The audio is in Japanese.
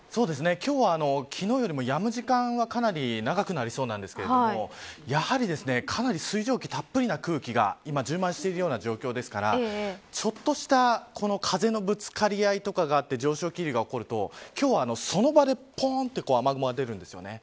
今日は昨日よりも、やむ時間がかなり長くなりそうですがやはり、かなり水蒸気たっぷりな空気が今、充満しているような状況ですからちょっとした風のぶつかり合いとかがあって上昇気流が起こると今日はその場でポンと雨雲が出るんですよね。